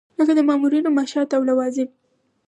لکه د مامورینو معاشات او لوازم.